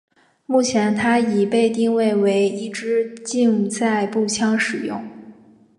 目前它已被定位为一枝竞赛步枪使用。